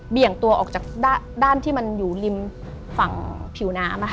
งตัวออกจากด้านที่มันอยู่ริมฝั่งผิวน้ำ